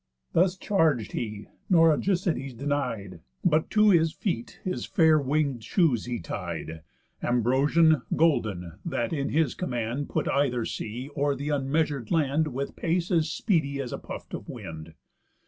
Thus charg'd he; nor Argicides denied, But to his feet his fair wing'd shoes he tied, Ambrosian, golden, that in his command Put either sea, or the unmeasur'd land, With pace as speedy as a puft of wind.